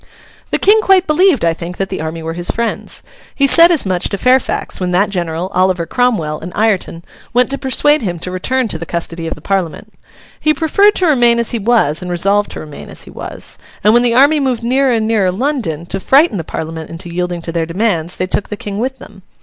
The King quite believed, I think, that the army were his friends. He said as much to Fairfax when that general, Oliver Cromwell, and Ireton, went to persuade him to return to the custody of the Parliament. He preferred to remain as he was, and resolved to remain as he was. And when the army moved nearer and nearer London to frighten the Parliament into yielding to their demands, they took the King with them.